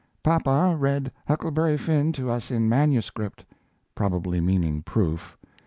Papa read Huckleberry Finn to us in manuscript, [Probably meaning proof.